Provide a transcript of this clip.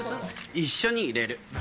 一緒に入れる。